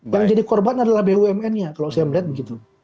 yang jadi korban adalah bumn nya kalau saya melihat begitu